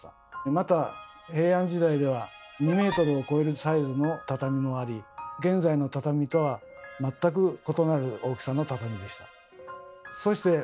また平安時代では２ｍを超えるサイズの畳もあり現在の畳とは全く異なる大きさの畳でした。